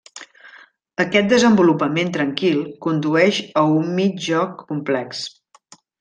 Aquest desenvolupament tranquil condueix a un mig joc complex.